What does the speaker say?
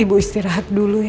ibu istirahat dulu ya